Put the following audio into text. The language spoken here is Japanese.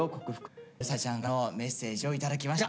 というさくらちゃんからのメッセージを頂きました。